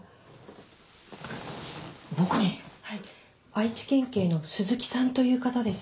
愛知県警の鈴木さんという方です。